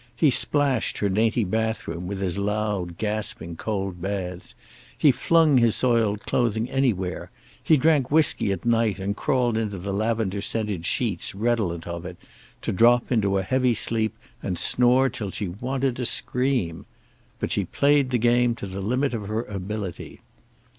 He splashed her dainty bathroom with his loud, gasping cold baths. He flung his soiled clothing anywhere. He drank whisky at night and crawled into the lavender scented sheets redolent of it, to drop into a heavy sleep and snore until she wanted to scream. But she played the game to the limit of her ability.